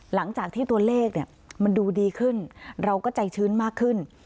หลังจากที่ตัวเลขเนี่ยมันดูดีขึ้นเราก็ใจชื้นมากขึ้น